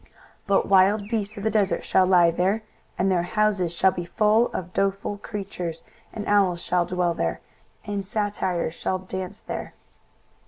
23:013:021 But wild beasts of the desert shall lie there; and their houses shall be full of doleful creatures; and owls shall dwell there, and satyrs shall dance there.